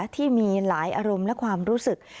ที่มีหลายอารมณ์และความรู้สึก